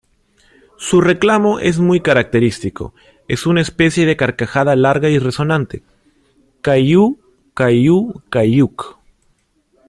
Su reclamo es muy característico, es una especie de carcajada larga y resonante "kaiü-kaiü-kaiück".